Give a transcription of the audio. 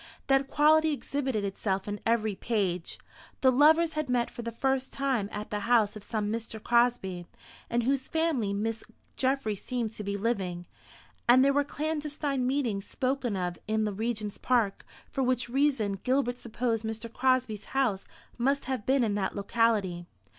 That quality exhibited itself in every page. The lovers had met for the first time at the house of some Mr. Crosby, in whose family Miss Geoffry seemed to be living; and there were clandestine meetings spoken of in the Regent's Park, for which reason Gilbert supposed Mr. Crosby's house must have been in that locality.